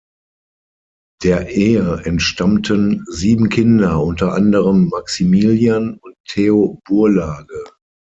Der Ehe entstammten sieben Kinder, unter anderem Maximilian und Theo Burlage.